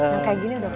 yang kayak gini udah